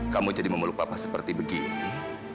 kamu jadi memeluk papa seperti begini